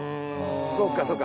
そうかそうか。